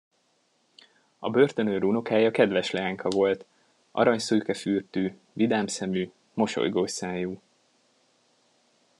A börtönőr unokája kedves leányka volt, aranyszőke fürtű, vidám szemű, mosolygós szájú.